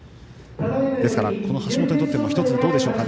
ですから、橋本にとっても１つどうでしょうかね。